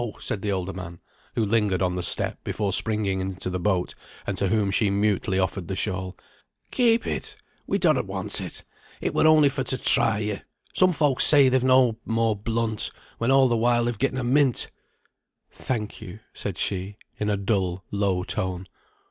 said the older man, who lingered on the step before springing into the boat, and to whom she mutely offered the shawl. "Keep it! we donnot want it. It were only for to try you, some folks say they've no more blunt, when all the while they've getten a mint." "Thank you," said she, in a dull, low tone.